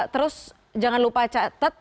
terus jangan lupa catet